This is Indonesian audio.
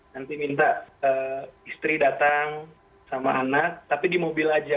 nanti minta istri datang sama anak tapi di mobil aja